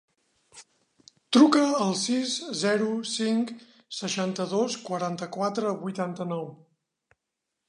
Truca al sis, zero, cinc, seixanta-dos, quaranta-quatre, vuitanta-nou.